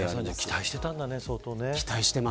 期待していたんだね相当。